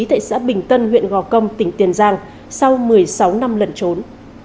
tại xã bình tân huyện gò công tỉnh tiền giang sau một mươi sáu năm lẩn trốn